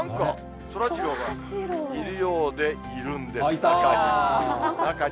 なんか、そらジローがいるようで、いるんです、中に。